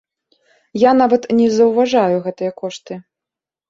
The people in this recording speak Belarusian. Я нават не заўважаю гэтыя кошты.